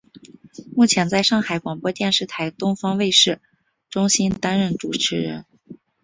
目前在上海广播电视台东方卫视中心担任主持人。